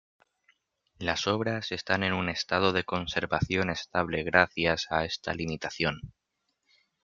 Las obras están en un estado de conservación estable gracias a esta limitación.